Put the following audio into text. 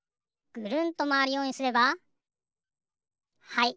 はい。